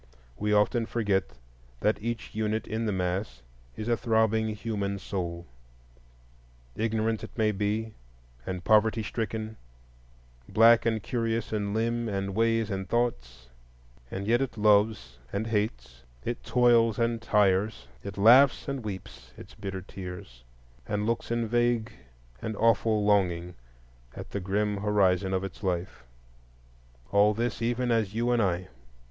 We often forget that each unit in the mass is a throbbing human soul. Ignorant it may be, and poverty stricken, black and curious in limb and ways and thought; and yet it loves and hates, it toils and tires, it laughs and weeps its bitter tears, and looks in vague and awful longing at the grim horizon of its life,—all this, even as you and I.